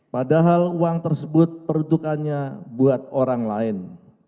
padahal uang tersebut peruntukannya buat orang lain